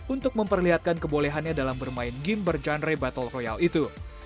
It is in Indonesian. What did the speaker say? untuk memperlihatkan kebolehannya dalam bermain game bergenre battle royal itu